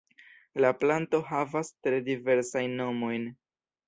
La planto havas tre diversajn nomojn.